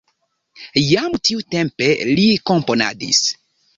Jam tiutempe li komponadis.